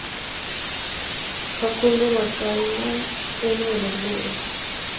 Facundo marcaría uno de los goles.